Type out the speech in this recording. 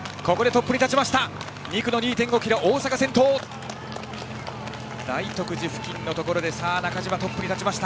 大阪がトップに立ちました。